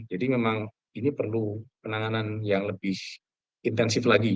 jadi memang ini perlu penanganan yang lebih intensif lagi